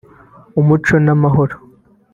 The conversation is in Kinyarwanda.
umuco n’amahoro